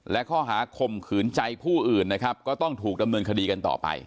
และข้อหาข่มขืนใจผู้อื่นนะครับก็ต้องถูกดำเนินคดีกันต่อไป